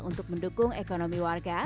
untuk mendukung ekonomi warga